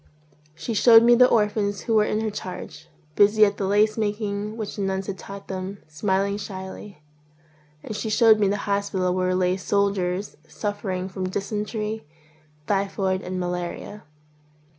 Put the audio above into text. She showed me the orphans who were in her charge, busy at the lace making which the nuns had taught them, smiling shyly; and she showed me the hospital where lay soldiers suffering from dysentery, typhoid, and malaria.